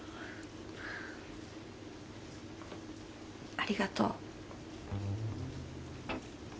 ありがとう。